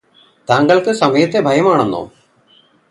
താങ്കള്ക്ക് സമയത്തെ ഭയമാണെന്നോ